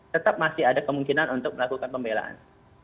tetap masih ada kemungkinan untuk melakukan pembelaan